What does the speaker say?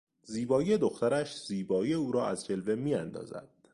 زیبایی دخترش زیبایی او را از جلوه میاندازد.